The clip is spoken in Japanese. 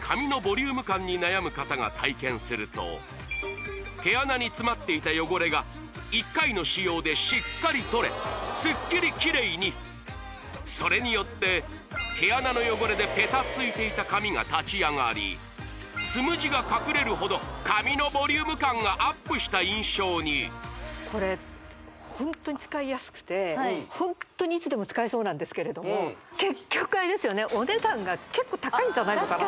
実際に毛穴に詰まっていた汚れが一回の使用でしっかり取れすっきりキレイにそれによって毛穴の汚れでペタついていた髪が立ち上がりつむじが隠れるほど髪のボリューム感がアップした印象にこれホントに使いやすくてホントにいつでも使えそうなんですけれども結局あれですよねお値段が結構高いんじゃないんですか？